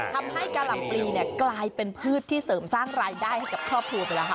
กะหล่ำปลีเนี่ยกลายเป็นพืชที่เสริมสร้างรายได้ให้กับครอบครัวไปแล้วค่ะ